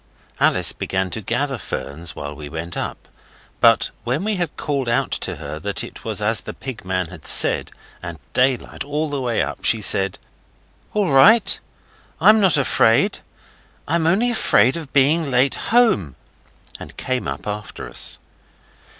Alice began to gather ferns while we went up, but when we had called out to her that it was as the pig man had said, and daylight all the way up, she said 'All right. I'm not afraid. I'm only afraid of being late home,' and came up after us.